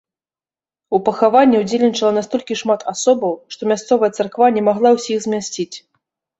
У пахаванні ўдзельнічала настолькі шмат асобаў, што мясцовая царква не магла ўсіх змясціць.